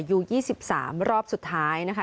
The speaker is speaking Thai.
อยู่๒๓รอบสุดท้ายนะคะ